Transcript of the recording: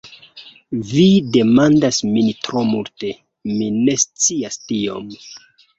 Vi demandas min tro multe; mi ne scias tiom.